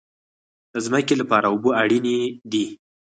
د ځمکې لپاره اوبه اړین دي